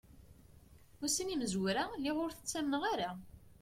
Ussan imezwura lliɣ ur t-ttamneɣ ara.